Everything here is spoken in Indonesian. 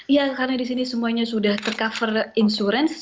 iya karena di sini semuanya sudah tercover insurans